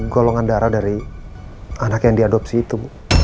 golongan darah dari anak yang diadopsi itu